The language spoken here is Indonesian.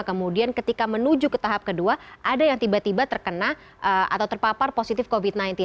kemudian ketika menuju ke tahap kedua ada yang tiba tiba terkena atau terpapar positif covid sembilan belas